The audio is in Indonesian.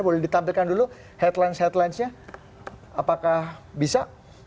boleh ditampilkan dulu headline headlinesnya apakah bisa